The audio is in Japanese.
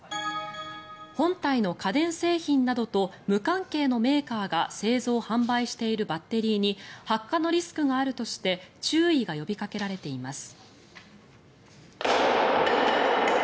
本体の家電製品などと無関係のメーカーが製造・販売しているバッテリーに発火のリスクがあるとして注意が呼びかけられています。